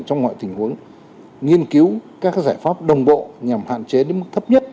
trong mọi tình huống nghiên cứu các giải pháp đồng bộ nhằm hạn chế đến mức thấp nhất